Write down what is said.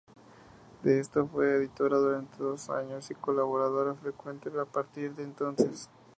De esto, fue editora durante dos años y colaboradora frecuente a partir de entonces.